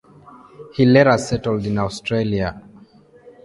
He later settled in Australia.